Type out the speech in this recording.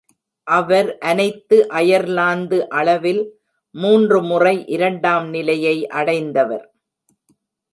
அவர் அனைத்து அயர்லாந்து அளவில் மூன்று முறை இரண்டாம் நிலையை அடைந்தவர்.